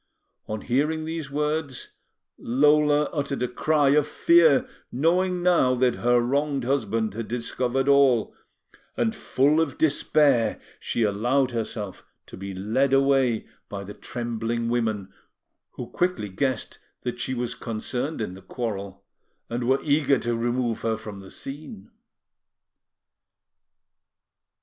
On hearing these words, Lola uttered a cry of fear, knowing now that her wronged husband had discovered all; and, full of despair, she allowed herself to be led away by the trembling women, who quickly guessed that she was concerned in the quarrel, and were eager to remove her from the scene.